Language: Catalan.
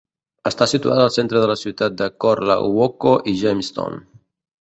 Està situat al centre de la ciutat entre Korle Woko i Jamestown.